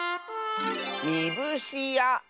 「みぶしあ」！